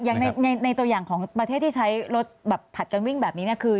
อย่างในตัวอย่างของประเทศที่ใช้รถแบบผัดกันวิ่งแบบนี้คือ